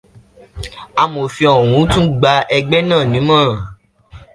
Amọ̀fin ọ̀hún tún gba ẹgbẹ́ náà nímọ̀ràn.